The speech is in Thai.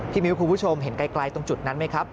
มิ้วคุณผู้ชมเห็นไกลตรงจุดนั้นไหมครับ